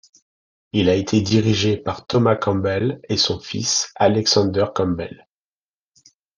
Il a été dirigé par Thomas Campbell et son fils, Alexander Campbell.